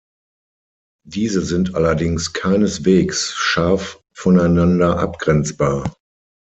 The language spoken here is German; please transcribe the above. Diese sind allerdings keineswegs scharf voneinander abgrenzbar.